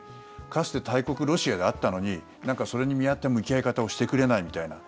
かつて大国ロシアであったのにそれに見合った向き合い方をしてくれないみたいな。